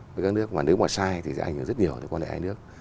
và nếu mà sai thì sẽ ảnh hưởng rất nhiều tới quan hệ anh nước